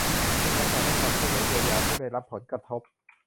เร่งรัดการให้ความช่วยเหลือเยียวยาผู้ได้รับผลกระทบ